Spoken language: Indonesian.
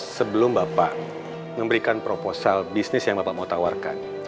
sebelum bapak memberikan proposal bisnis yang bapak mau tawarkan